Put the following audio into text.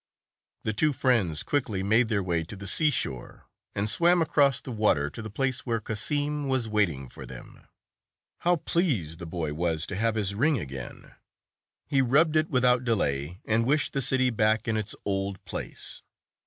The two friends quickly made their way to the seashore, and swam across the water to the place where Cassim was waiting for them. How pleased the boy was to have his ring again ! He rubbed it without delay, and wished the city back in its old place.